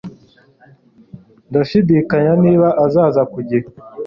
Ndashidikanya niba azaza ku gihe